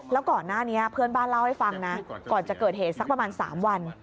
แล้วก่อนหน้านี้เพื่อนบ้านเล่าให้ฟังนะก่อนจะเกิดเหตุสักประมาณ๓วัน